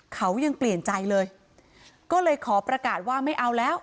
เขายังเปลี่ยนใจเลยก็เลยขอประกาศว่าไม่เอาแล้ว